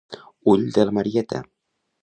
Ull de la Marieta.